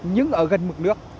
nhưng ở gần mực nước